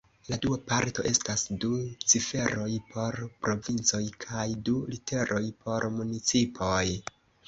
La dua parto estas du ciferoj por provincoj kaj du literoj por municipoj.